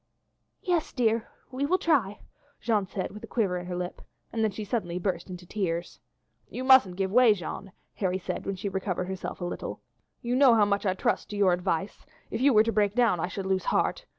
"Yes, dear, we will try," Jeanne said with a quiver in her lip, and then she suddenly burst into tears. "You mustn't give way, Jeanne," Harry said, when she recovered herself a little. "You know how much I trust to your advice; if you were to break down I should lose heart.